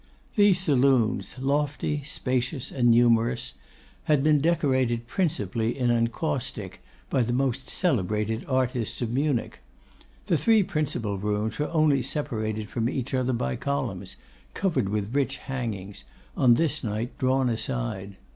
These saloons, lofty, spacious, and numerous, had been decorated principally in encaustic by the most celebrated artists of Munich. The three principal rooms were only separated from each other by columns, covered with rich hangings, on this night drawn aside.